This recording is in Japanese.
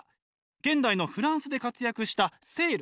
現代のフランスで活躍したセール。